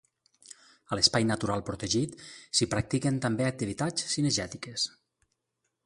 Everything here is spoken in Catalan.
A l’Espai natural protegit s’hi practiquen també activitats cinegètiques.